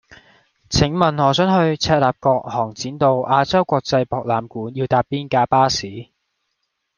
請問我想去赤鱲角航展道亞洲國際博覽館要搭邊架巴士